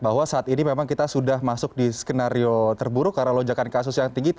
bahwa saat ini memang kita sudah masuk di skenario terburuk karena lonjakan kasus yang tinggi